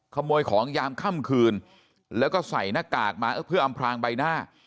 ขโมยของยามค่ำคืนแล้วก็ใส่หน้ากากมาเพื่ออำพลางใบหน้า